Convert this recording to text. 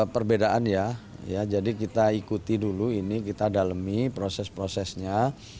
perbedaan ya jadi kita ikuti dulu ini kita dalami proses prosesnya